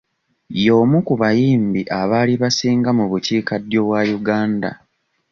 Y'omu ku bayimbi abaali basinga mu bukiikaddyo bwa Uganda.